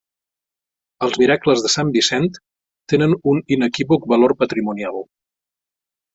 Els miracles de sant Vicent tenen un inequívoc valor patrimonial.